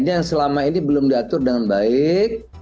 nah ini yang selama ini belum diatur dengan baik